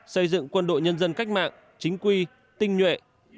xây dựng quân đội nhân dân cách mạng chính quy tinh nhuệ